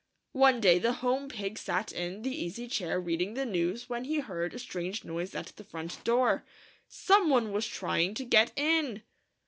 One day the home Pig sat in the easy chair reading the news when he heard a strange noise at the front door. Some one was trying to get in